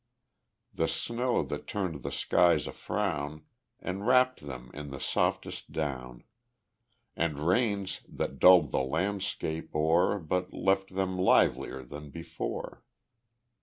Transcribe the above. The snow that turned the skies afrown Enwrapt them in the softest down, And rains that dulled the landscape o'er But left them livelier than before.